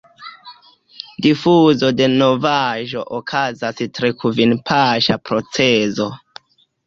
Difuzo de novaĵo okazas tra kvin–paŝa procezo.